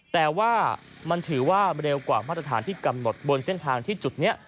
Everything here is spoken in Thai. แต่ว่ามันถือว่าเร็วกว่ามาตรฐานที่กำหนดบนเส้นทางที่จุดนี้